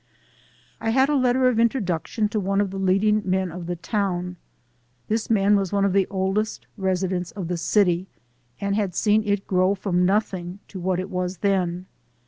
I had a letter of introduction to one of the leading men of the town. This man was one of the oldest residents of the city and had seen it grow from nothing to what it was then.